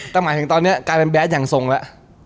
แต่หมายถึงตอนนี้กลายเป็นแดดอย่างทรงแล้ว